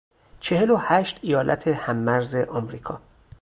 چهل و هشت ایالت هممرز امریکا